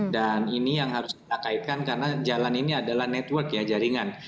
dan ini yang harus kita kaitkan karena jalan ini adalah network ya jaringan